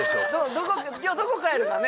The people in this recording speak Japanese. どこ今日どこ帰るかね？